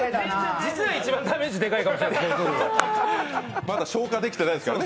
実は一番ダメージでかいかもしれないですね。